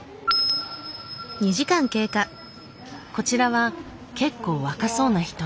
こちらは結構若そうな人。